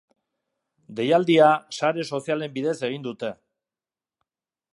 Deialdia sare sozialen bidez egin dute.